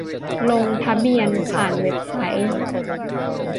ลงทะเบียนผ่านเว็บไซต์